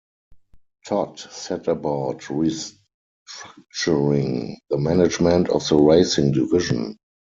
Todt set about restructuring the management of the Racing Division.